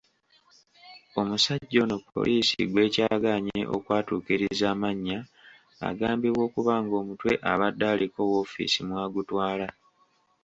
Omusajja ono poliisi gw'ekyagaanye okwatuukiriza amannya agambibwa okuba ng'omutwe abadde aliko wofiisi mw'agutwala.